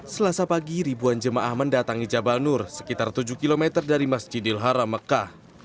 selasa pagi ribuan jemaah mendatangi jabal nur sekitar tujuh km dari masjidil haram mekah